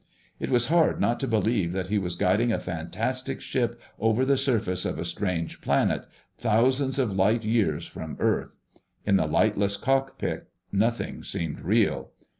It was hard not to believe that he was guiding a fantastic ship over the surface of a strange planet, thousands of light years from Earth. In the lightless cockpit nothing seemed real.